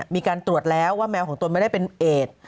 มีการตรวจแล้วว่าแมวของตนไม่ได้เป็นเอด